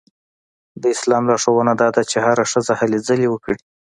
د اسلام لارښوونه دا ده چې هره ښځه هلې ځلې وکړي.